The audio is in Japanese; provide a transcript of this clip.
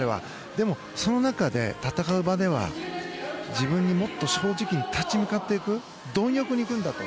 でも、その中で戦う場では自分にもっと正直に立ち向かっていく貪欲に行くんだと。